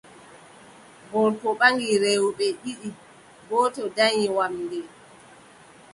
Gorko ɓaŋgi rewɓe ɗiɗi, gooto danyi wamnde,